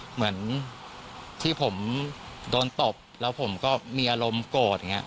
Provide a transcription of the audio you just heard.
เหมือนที่ผมโดนตบแล้วผมก็มีอารมณ์โกรธอย่างนี้